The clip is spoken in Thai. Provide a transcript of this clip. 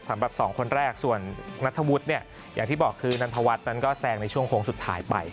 สำหรับสองคนแรกส่วนนัทธวุฒิเนี่ยอย่างที่บอกคือนันทวัฒน์นั้นก็แซงในช่วงโค้งสุดท้ายไป